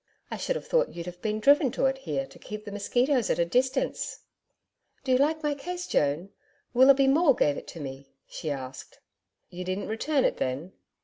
I should have thought you'd have been driven to it here to keep the mosquitoes at a distance.... 'Do you like my case, Joan? Willoughby Maule gave it to me,' she asked. 'You didn't return it then?'